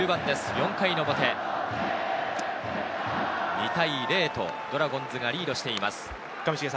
４回の表、２対０とドラゴンズがリードしています。